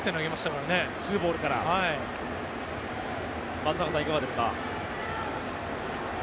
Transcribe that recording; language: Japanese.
松坂さん、いかがですか。